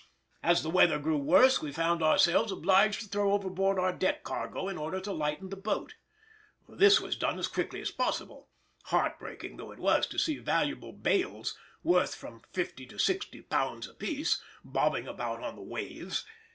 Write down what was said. As the weather grew worse we found ourselves obliged to throw overboard our deck cargo in order to lighten the boat. This was done as quickly as possible, heart breaking though it was to see valuable bales (worth from £50 to £60 apiece) bobbing about on the waves.